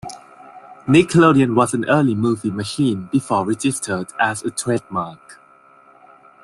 "Nickelodeon" was an early movie machine before registered as a trademark.